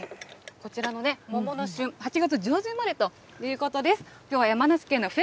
ということで、こちらのね、桃の旬、８月上旬までということです。